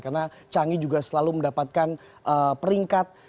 karena changi juga selalu mendapatkan peringkat